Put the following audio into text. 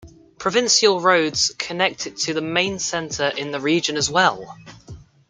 Provincial roads connect it to the main centre in the region as well.